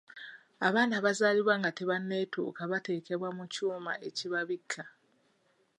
Abaana abazaaliba nga tebanneetuuka bateekebwa mu kyuma ekibabikka.